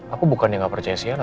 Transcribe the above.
aku bukan yang gak percaya sienna